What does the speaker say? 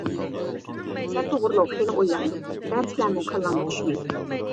سەن توغرۇلۇق خېلى ئويلاندىم، دەرسلەرمۇ كاللامغا چۈشمەيتتى.